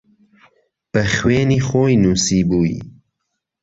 به خوێنی خۆی نووسیبووی